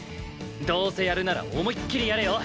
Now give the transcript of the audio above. どうせやるなら思いっきりやれよ。